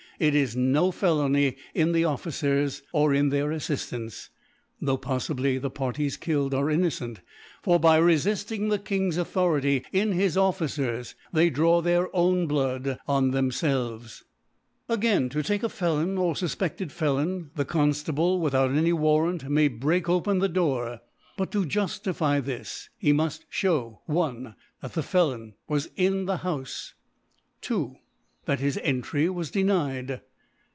it is no Fe lony in the Officers, or in their Affiftants, tho* poffibly the Parties killed are inno « cent ; for by refitting the King's Autho rity in his Officers, they draw their own Blood on themfelves ♦. A Again, To take a Felon or fufpedled Felon, the Conftable without any Warrant may break open the Door. Buttojuftify this, he muft fhew ; i. That the Felon, ISc. was in the Houfc. 2. That his Eiv try was denied.